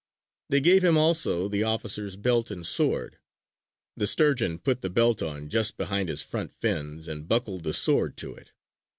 They gave him also the officer's belt and sword. The Sturgeon put the belt on just behind his front fins, and buckled the sword to it.